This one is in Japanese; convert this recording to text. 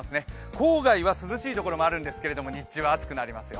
郊外は涼しいところもあるんですが日中は暑くなりますよ。